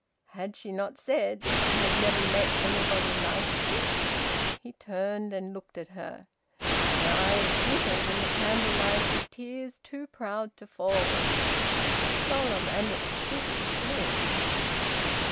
Had she not said that she had never met anybody like him? He turned and looked at her. Her eyes glittered in the candle light with tears too proud to fall. Solemn and exquisite bliss!